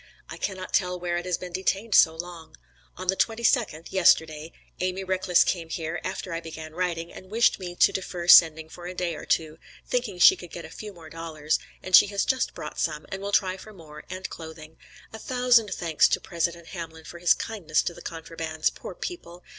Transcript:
I cannot tell where it has been detained so long. On the 22d, yesterday, Amy Reckless came here, after I began writing, and wished me to defer sending for a day or two, thinking she could get a few more dollars, and she has just brought some, and will try for more, and clothing. A thousand thanks to President Hamlin for his kindness to the contrabands; poor people!